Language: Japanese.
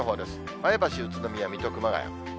前橋、宇都宮、水戸、熊谷。